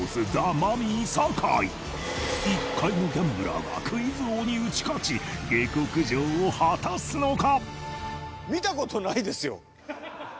マミィ酒井一介のギャンブラーがクイズ王に打ち勝ち下克上を果たすのか！？